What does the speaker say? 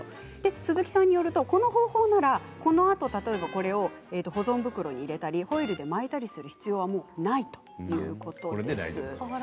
鈴木さんによると、この方法ならばこのあと保存袋に入れたりホイルで巻いたりする必要はないということです。